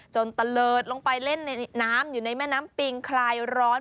ตะเลิศลงไปเล่นในน้ำอยู่ในแม่น้ำปิงคลายร้อน